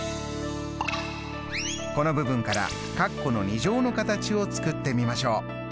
この部分からカッコの２乗の形を作ってみましょう。